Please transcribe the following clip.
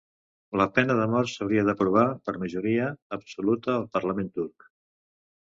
La pena de mort s'hauria d'aprovar per majoria absoluta al parlament turc